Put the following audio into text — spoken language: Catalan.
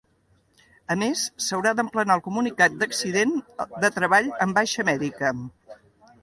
A més, s'haurà d'emplenar el comunicat d'accident de treball amb baixa mèdica.